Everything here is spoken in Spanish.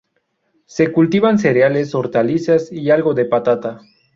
Se cultivan cereales, hortalizas y algo de patata.